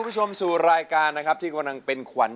โรงงานให้นาน